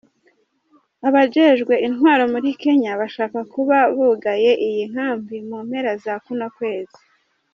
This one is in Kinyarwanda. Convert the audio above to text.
Abajejwe intwaro muri Kenya bashaka kuba bugaye iyi nkambi mu mpera za kuno kwezi.